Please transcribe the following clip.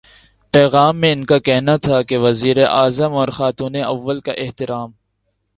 پیغام میں ان کا کہنا تھا کہ وزیرا اعظم اور خاتونِ اول کا احترام